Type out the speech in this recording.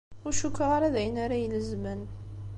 Ur cukkeɣ ara d ayen ara ilezmen.